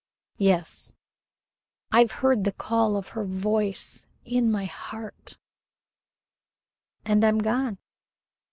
"Yes; I've heard the call of her voice in my heart and I'm gone.